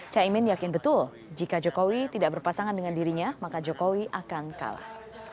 caimin yakin betul jika jokowi tidak berpasangan dengan dirinya maka jokowi akan kalah